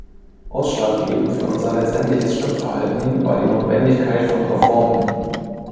Ausschlaggebend für unser letztendliches Stimmverhalten war die Notwendigkeit von Reformen.